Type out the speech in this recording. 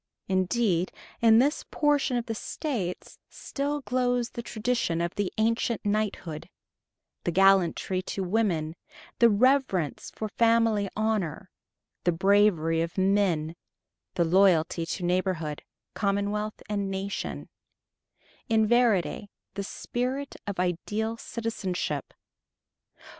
Indeed, in this portion of the States still glows the tradition of the ancient knighthood: the gallantry to women, the reverence for family honor, the bravery in men, the loyalty to neighborhood, commonwealth, and nation, in verity, the spirit of ideal citizenship.